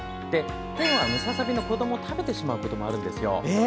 テンは、ムササビの子どもを食べてしまうこともあるんですよ。